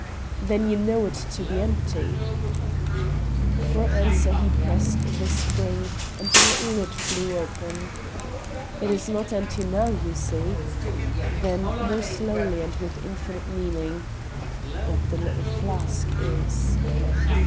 "Then you know it to be empty." For answer he pressed the spring, and the little lid flew open. "It is not empty now, you see." Then more slowly and with infinite meaning, "But the little flask is."